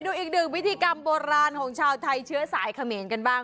ดูอีกหนึ่งพิธีกรรมโบราณของชาวไทยเชื้อสายเขมรกันบ้าง